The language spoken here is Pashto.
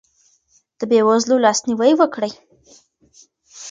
د بې وزلو لاسنیوی وکړئ.